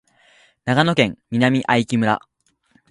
長野県南相木村